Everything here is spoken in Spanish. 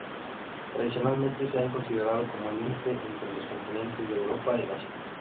Tradicionalmente se han considerado como el límite entre los continentes de Europa y Asia.